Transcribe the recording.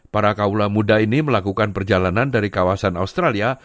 para kaulah muda ini melakukan perjalanan dari kawasan australia